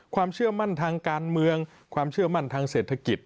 ความเชื่อมั่นทางการเมืองความเชื่อมั่นทางเศรษฐกิจ